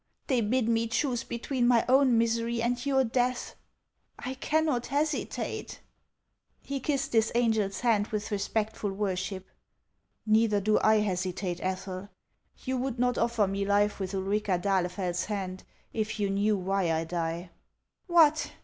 They bid me choose between my own misery and your death. I cannot hesitate." 464 HANS OF ICELAND. He kissed this angel's hand with respectful worship. "Neither do I hesitate, Ethel. You would not offer me life with Ulrica d'Ahlefeld's hand if you knew why I die." " What